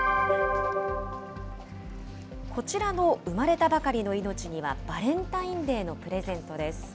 こちらの生まれたばかりの命にはバレンタインデーのプレゼントです。